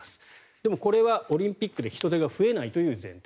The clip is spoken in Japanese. でも、これはオリンピックで人出が増えないという前提。